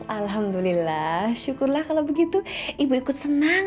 alhamdulillah syukurlah kalau begitu ibu ikut senang